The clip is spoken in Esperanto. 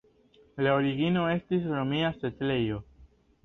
La origino estis romia setlejo.